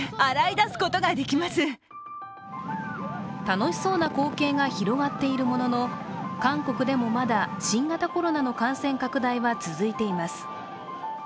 楽しそうな光景が広がっているものの、韓国でも、まだ新型コロナの感染拡大は続いています。